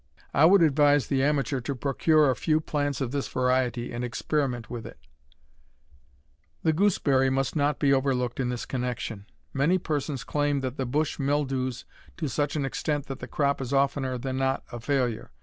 I would advise the amateur to procure a few plants of this variety and experiment with it. The gooseberry must not be overlooked in this connection. Many persons claim that the bush mildews to such an extent that the crop is oftener than not a failure.